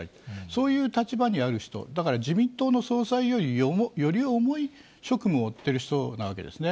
そういう立場にある人、だから自民党の総裁より、より重い職務を負っている人なわけですね。